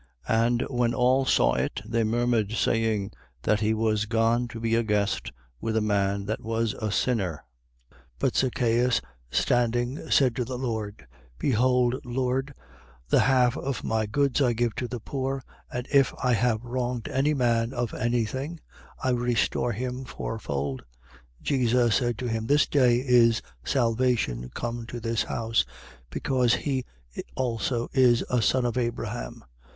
19:7. And when all saw it, they murmured, saying, that he was gone to be a guest with a man that was a sinner. 19:8. But Zacheus standing, said to the Lord: Behold, Lord, the half of my goods I give to the poor; and if I have wronged any man of any thing, I restore him fourfold. 19:9. Jesus said to him: This day is salvation come to this house, because he also is a son of Abraham.